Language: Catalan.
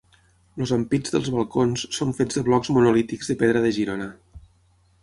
Els ampits dels balcons són fets de blocs monolítics de pedra de Girona.